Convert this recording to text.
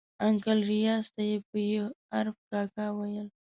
انکل ریاض ته یې په ي عرف کاکا ویل.